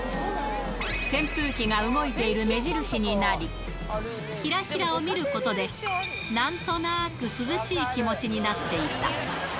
扇風機が動いている目印になり、ひらひらを見ることで、なんとなく涼しい気持ちになっていた。